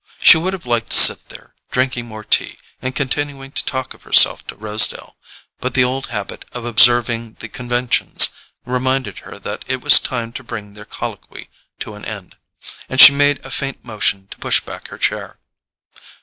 She would have liked to sit there, drinking more tea, and continuing to talk of herself to Rosedale. But the old habit of observing the conventions reminded her that it was time to bring their colloquy to an end, and she made a faint motion to push back her chair.